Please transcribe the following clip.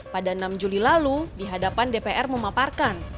pada enam juli lalu dihadapan dpr memaparkan